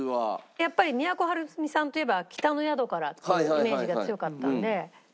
やっぱり都はるみさんといえば『北の宿から』っていうイメージが強かったので。